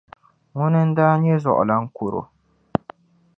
Ŋuni n daa nyɛ zuɣulan kuro.